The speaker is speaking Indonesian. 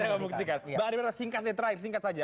mbak ademir singkatnya terakhir singkat saja